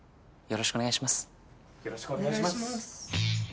よろしくお願いします。